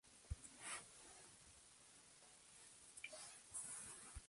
Así pues, la Familia Real inició su peregrinación de Alemania a Suiza y Londres.